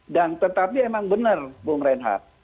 dan tetapi emang benar bung renhat